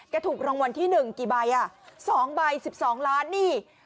กระถุกรางวัลที่หนึ่งกี่ใบสองใบ๑๒ล้านนี่